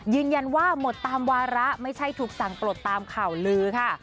ยืนยันว่าหมดตามวาระไม่ใช่ถูกสั่งปลดตามข่าวลือค่ะ